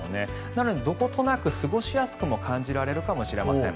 なのでどことなく過ごしやすくも感じられるかもしれません。